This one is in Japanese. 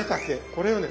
これをね